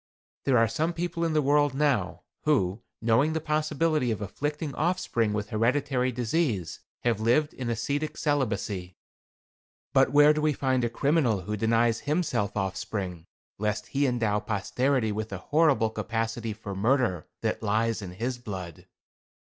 There are some people in the world now, who, knowing the possibility of afflicting offspring with hereditary disease, have lived in ascetic celibacy. But where do we find a criminal who denies himself offspring, lest he endow posterity with the horrible capacity for murder that lies in his blood?